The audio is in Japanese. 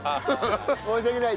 申し訳ない。